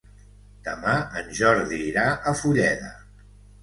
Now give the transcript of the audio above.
Demà en Jordi irà a Fulleda.